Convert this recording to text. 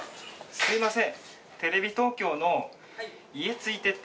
すみません。